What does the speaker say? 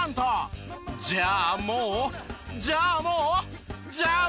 じゃあもうじゃあもうじゃあ